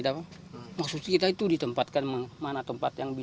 zwei maksud kita itu ditempatkan meng mana tempat yang